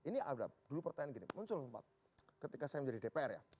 ini ada dulu pertanyaan gini muncul sempat ketika saya menjadi dpr ya